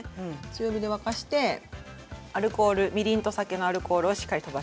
強火で沸かしてアルコールみりんと酒のアルコールをしっかり飛ばします。